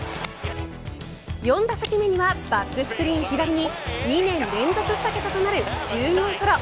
４打席目にはバックスクリーン左に２年連続２桁となる１０号ソロ。